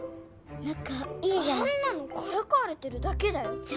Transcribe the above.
仲いいじゃんあんなのからかわれてるだけだよじゃ